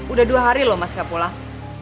udah dua hari loh mas gak pulang